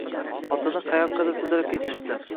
Otini qayoqqadir sudrab ketishibdi.